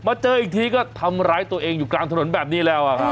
เจออีกทีก็ทำร้ายตัวเองอยู่กลางถนนแบบนี้แล้วครับ